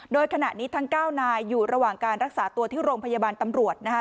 โดยขณะนี้ทั้ง๙นายอยู่ระหว่างการรักษาตัวที่โรงพยาบาลตำรวจนะคะ